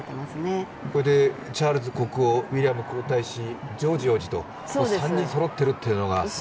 これでチャールズ国王、ウィリアム皇太子、ジョージ王子と３人そろっているというのが。